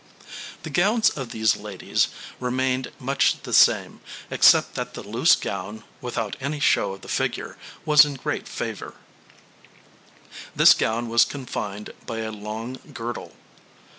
The gowns of these ladies remained much the same, except that the loose gown, without any show of the figure, was in great favour; this gown was confined by a long girdle.